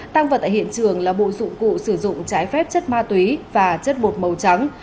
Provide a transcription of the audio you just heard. tăng vật tại hiện trường là bộ dụng cụ sử dụng trái phép chất ma túy và chất bột màu trắng